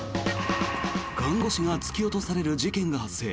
看護師が突き落としされる事件が発生。